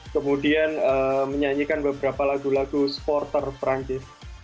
kemudian menyanyikan beberapa lagu lagu sporter perancis